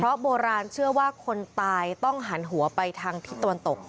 เพราะโบราณเชื่อว่าคนตายต้องหันหัวไปทางทิศตะวันตก